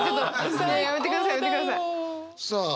それやめてくださいやめてください！最高だよ！